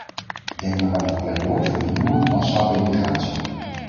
Denk maar aan het pleidooi voor nieuwe, massale immigratie.